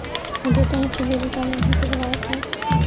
حضرت انس رضی اللہ عنہ سے روایت ہے